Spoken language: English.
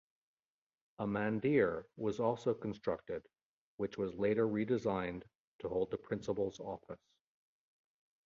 A mandir was also constructed, which was later redesigned to hold the Principal's office.